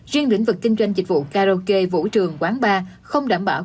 riêng lĩnh vực kinh doanh dịch vụ karaoke vũ trường quán bar không đảm bảo